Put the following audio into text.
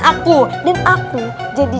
aku dan aku jadi